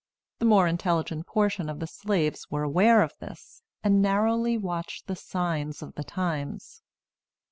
The more intelligent portion of the slaves were aware of this, and narrowly watched the signs of the times.